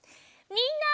みんな！